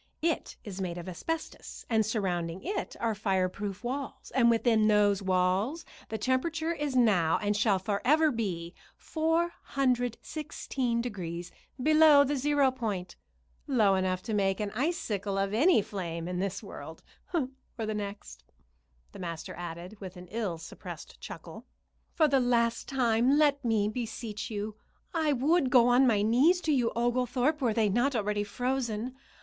It is made of asbestos and surrounding it are fireproof walls, and within those walls the temperature is now and shall forever be 416 degrees below the zero point; low enough to make an icicle of any flame in this world or the next," the master added, with an ill suppressed chuckle. "For the last time let me beseech you. I would go on my knees to you, Oglethorpe, were they not already frozen.